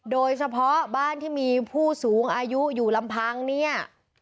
โดยเฉพาะบ้านที่มีผู้สูงอายุอยู่ลำพังเนี่ย